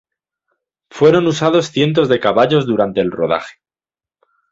Fueron usados cientos de caballos durante el rodaje.